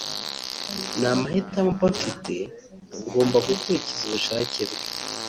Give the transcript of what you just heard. nta mahitamo mba mfite ngomba gukurikiza ubushake bwe”